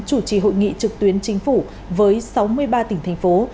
chủ trì hội nghị trực tuyến chính phủ với sáu mươi ba tỉnh thành phố